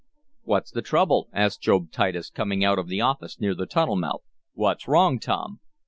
"What's the trouble?" asked Job Titus, coming out of the office near the tunnel mouth. "What's wrong, Tom?"